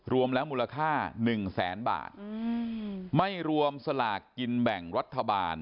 รวมแล้วมูลค่าหนึ่งแสนบาทไม่รวมสลากกินแบ่งรัฐบาล